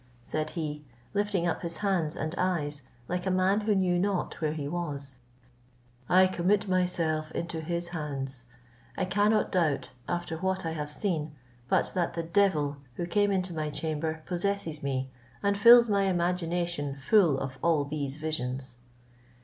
said he, lifting up his hands and eyes, like a man who knew not where he was; "I commit myself into his hands. I cannot doubt, after what I have seen, but that the devil, who came into my chamber, possesses me, and fills my imagination full of all these visions."